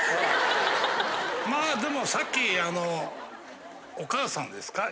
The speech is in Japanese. まあでもさっきあのお母さんですか？